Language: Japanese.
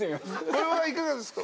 これはいかがですか？